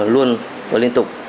luôn và liên tục